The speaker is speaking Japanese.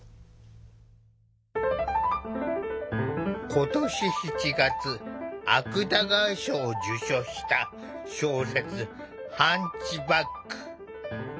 今年７月芥川賞を受賞した小説「ハンチバック」。